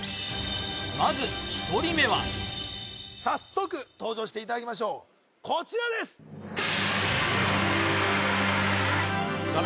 まず１人目は早速登場していただきましょうこちらです・誰？